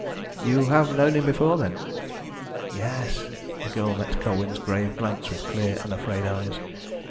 "You have known him before, then?" "Yes." The girl met Colwyn's grave glance with clear, unafraid eyes.